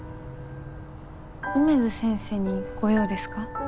梅津先生にご用ですか？